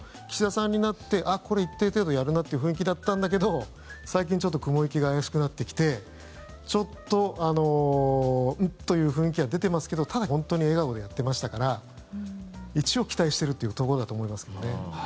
これは最初は、菅さん１年で変わっちゃいましたけども岸田さんになってこれは一定程度やるなという雰囲気だったんだけど最近ちょっと雲行きが怪しくなってきてちょっと、うん？という雰囲気は出てますけどただ本当に笑顔でやってましたから一応期待してるというところだと思います。